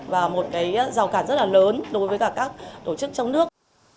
và một cái rào cản rất là lớn đối với cả các tổ chức trong nước